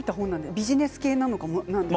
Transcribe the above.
ビジネス系とか。